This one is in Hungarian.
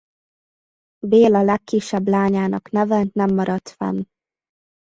Béla legkisebb lányának neve nem maradt fenn.